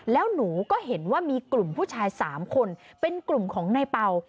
แล้วหนูก็เห็นว่ามีกลุ่มผู้ชาย๓คนเป็นกลุ่มของนายเป่า